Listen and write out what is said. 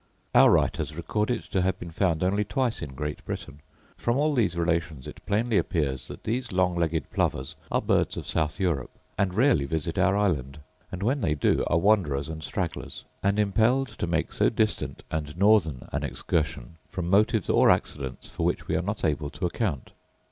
Our writers record it to have been found only twice in Great Britain. From all these relations it plainly appears that these long legged plovers are birds of South Europe, and rarely visit our island; and when they do are wanderers and stragglers, and impelled to make so distant and northern an excursion from motives or accidents for which we are not able to account.